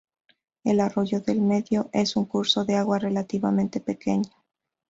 El Arroyo del Medio es un curso de agua relativamente pequeño.